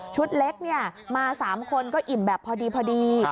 เล็กมา๓คนก็อิ่มแบบพอดี